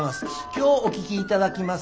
今日お聴き頂きます